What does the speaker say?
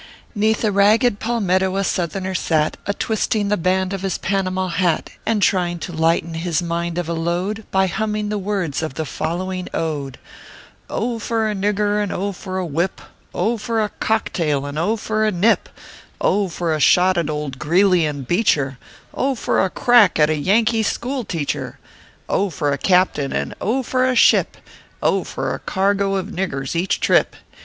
Neath a ragged palmetto a Southerner sat, A twisting the band of his Panama hat, And trying to lighten his mind of a load By humming the words of the following ode :" Oh! for a. nigger, and oh ! for a whip; Oh ! for a cocktail, and oh ! for a nip ; Oh! for a shot at old Greeley and Beecher; Oh ! for a crack at a Yankee school teacher ; Oh ! for a captain, and oh ! for a ship ; Oh ! for a cargo of niggers each trip."